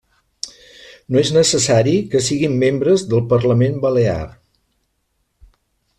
No és necessari que siguin membres del Parlament Balear.